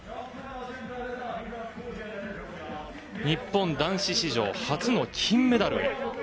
日本男子史上初の金メダルへ。